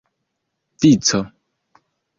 vico